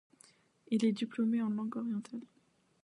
Il est diplômé en langues orientales.